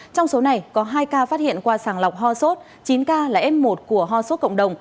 trong số này có hai ca phát hiện qua sàng lọc ho sốt chín ca là f một của ho sốt cộng đồng